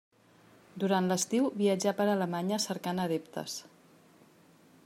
Durant l'estiu, viatjà per Alemanya cercant adeptes.